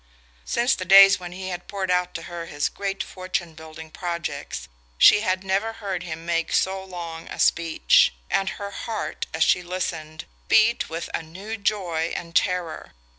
Since the days when he had poured out to her his great fortune building projects she had never heard him make so long a speech; and her heart, as she listened, beat with a new joy and terror.